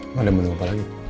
emang ada menu apa lagi